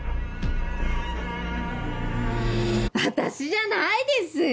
私じゃないですよ。